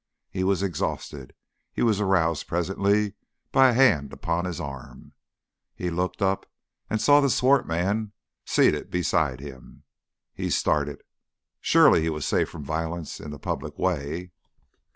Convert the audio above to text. He was exhausted. He was aroused presently by a hand upon his arm. He looked up, and saw the swart man seated beside him. He started. Surely he was safe from violence in the public way!